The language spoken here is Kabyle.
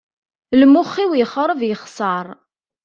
Imuxx-iw yexreb yexseṛ.